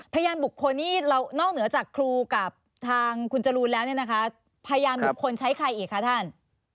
พยานบุคคลนี้เรานอกเหนือจากครูกับทางคุณจรูนแล้วเนี่ยนะคะพยานบุคคลใช้ใครอีกคะท่าน